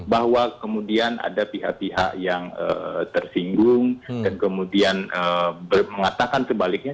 bahwa kemudian ada pihak pihak yang tersinggung dan kemudian mengatakan sebaliknya